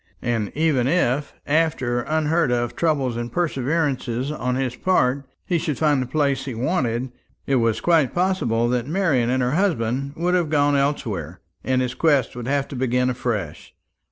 And even if, after unheard of trouble and perseverance on his part, he should find the place he wanted, it was quite possible that Marian and her husband would have gone elsewhere, and his quest would have to begin afresh.